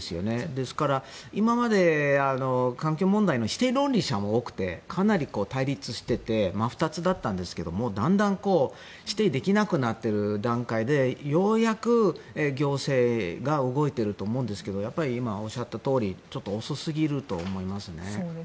ですから、今まで環境問題の否定論者も多くてかなり対立していて真っ二つだったんですけどだんだん否定できなくなってる段階でようやく行政が動いていると思うんですけどやっぱり今おっしゃったとおり遅すぎると思いますね。